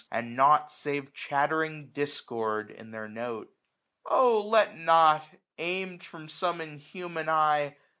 And nought save chattering discord in their note* 983 O let not, aim'd from some inhuman eye.